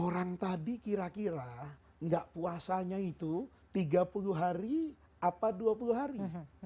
orang tadi kira kira nggak puasanya itu tiga puluh hari apa dua puluh hari